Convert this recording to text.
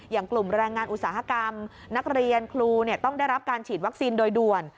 อย่างกลุ่มแรงงานอุตสาหกรรมนักเรียนครูต้องได้รับการฉีดวัคซีนโดยด่วน